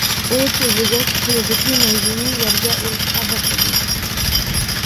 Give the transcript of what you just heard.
ئۇ سۆزلىگەچ، قولىدىكى نەيزىنى يەرگە ئۇرۇشقا باشلىدى.